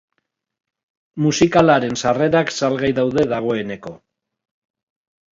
Musikalaren sarrerak salgai daude dagoeneko.